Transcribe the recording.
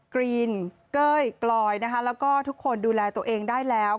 กรีนเก้ยกลอยนะคะแล้วก็ทุกคนดูแลตัวเองได้แล้ว